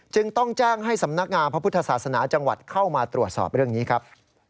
จึงต้องแจ้งให้สำนักงานพระพุทธศาสนาจังหวัดเข้ามาตรวจสอบเรื่องนี้ครับ